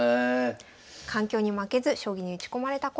環境に負けず将棋に打ち込まれた小山さん。